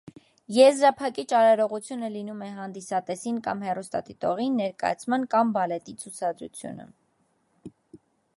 Եզրափակիչ արարողությունը լինում է հանդիսատեսին կամ հեռուստադիտողին ներկայացման կամ բալետի ցուցադրությունը։